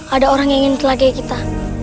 ada orang yang ingin telah gaya kita